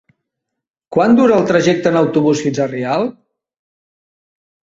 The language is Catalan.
Quant dura el trajecte en autobús fins a Rialp?